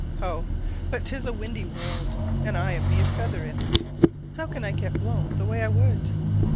Oh, but 'tis a windy world, and I a mere feather in it: how can I get blown the way I would?